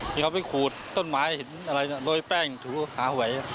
ที่เขาไปขูดต้นไม้เห็นอะไรโรยแป้งถูหาไหว